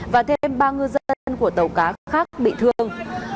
và thêm ba ngư dân của tàu cá khác bị thương